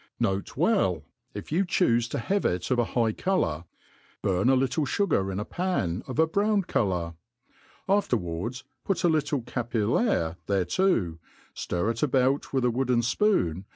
. N/B. If you chufe to have it of a high colour, burn a little fugar in a pan, of a brown colour ; afterwards put a little ca pillaire thereto, flir it about with a wooden fpoon